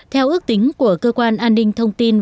theo ước tính của cơ quan an ninh thông tin